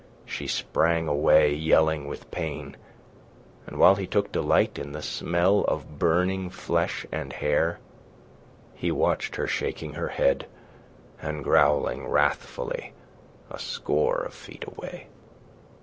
She sprang away, yelling with pain, and while he took delight in the smell of burning flesh and hair, he watched her shaking her head and growling wrathfully a score of feet away.